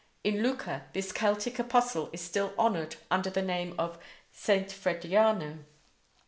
In Lucca this Celtic apostle is still honored under the name of St. Frediano.